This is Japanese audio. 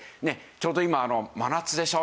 ちょうど今真夏でしょ？